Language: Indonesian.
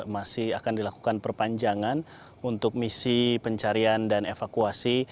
masih akan dilakukan perpanjangan untuk misi pencarian dan evakuasi